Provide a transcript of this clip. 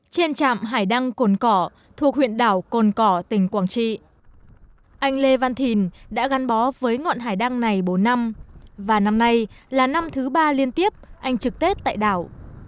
trên trạm hải đăng cồn cỏ thuộc huyện đảo cồn cỏ tỉnh quảng trị anh lê văn thìn đã gắn bó với ngọn hải đăng này bốn năm và năm nay là năm thứ ba liên tiếp anh trực tết tại đảo